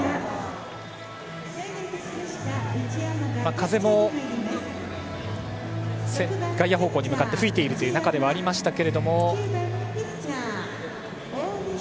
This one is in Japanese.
風も外野方向に向かって吹いている中ではありましたが。